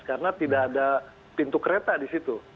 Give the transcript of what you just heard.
karena tidak ada pintu kereta di situ